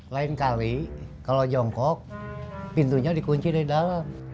lain kali kalau jongkok pintunya dikunci dari dalam